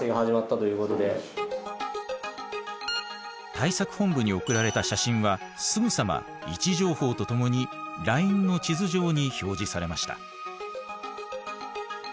対策本部に送られた写真はすぐさま位置情報とともにＬＩＮＥの地図上に表示されました。